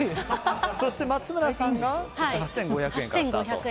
そして松村さんが８５００円からスタート。